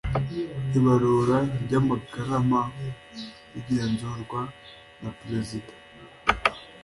ibarura ry amagarama rigenzurwa na perezida